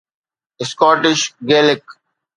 Scottish Gaelic